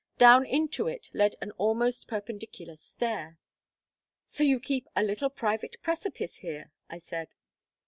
Down into it led an almost perpendicular stair. "So you keep a little private precipice here," I said.